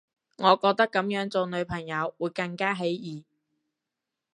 我覺得噉樣做女朋友會更加起疑